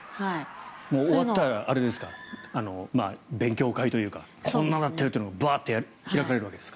終わったら勉強会というかこんなになってるってばっと開かれるわけですか。